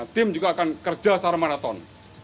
tim juga akan kerja secara maraton